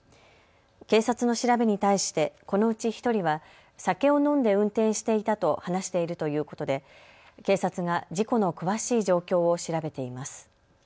警察の調べに対してこのうち１人は酒を飲んで運転していたと話しているということで警察が事故の詳しい状況を調べています。